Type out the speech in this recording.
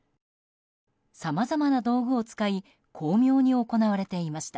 さまざまな道具を使い巧妙に行われていました。